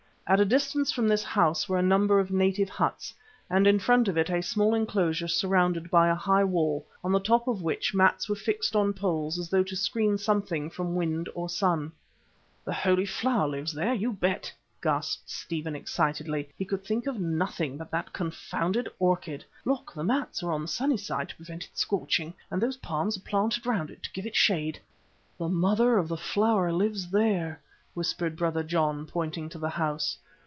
At a distance from this house were a number of native huts, and in front of it a small enclosure surrounded by a high wall, on the top of which mats were fixed on poles as though to screen something from wind or sun. "The Holy Flower lives there, you bet," gasped Stephen excitedly he could think of nothing but that confounded orchid. "Look, the mats are up on the sunny side to prevent its scorching, and those palms are planted round to give it shade." "The Mother of the Flower lives there," whispered Brother John, pointing to the house.